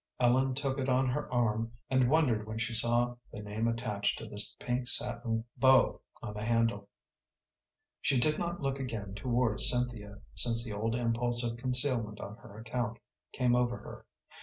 Ellen took it on her arm, and wondered when she saw the name attached to the pink satin bow on the handle. She did not look again towards Cynthia since the old impulse of concealment on her account came over her.